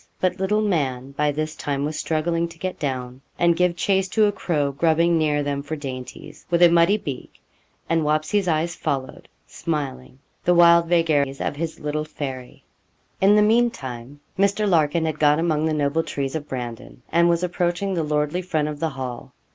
But 'little man' by this time was struggling to get down and give chase to a crow grubbing near them for dainties, with a muddy beak, and 'Wapsie's' eyes followed, smiling, the wild vagaries of his little Fairy. In the mean time Mr. Larkin had got among the noble trees of Brandon, and was approaching the lordly front of the Hall.